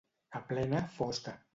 A plena fosca.